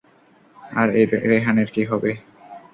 আর এই রেহান এর কি হবে?